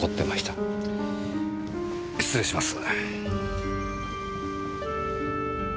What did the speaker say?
失礼します。